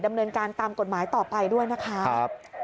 ดำเนินการตามกฎหมายต่อไปด้วยนะคะ